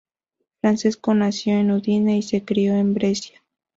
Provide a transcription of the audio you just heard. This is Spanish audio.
Francesco nació en Udine y se crio en Brescia.